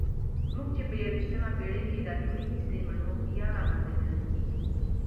موږ چې په یویشتمه پېړۍ کې دا ټولې کیسې منو یا راباندې منل کېږي.